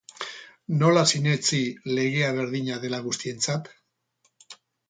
Nola sinetsi legea berdina dela guztientzat?